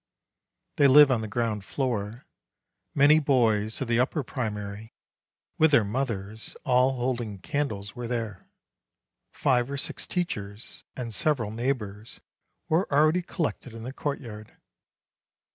They live on the ground floor. Many boys of the upper primary, with their mothers, all holding candles, were there. Five or six teachers and several neighbors were already collected in the courtyard.